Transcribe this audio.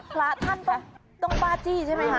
พระท่านก็ต้องบ้าจี้ใช่ไหมคะ